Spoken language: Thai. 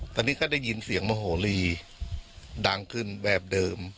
ตอนนี้ก็ได้ยินเสียงโมโหลีดังขึ้นแบบเดิม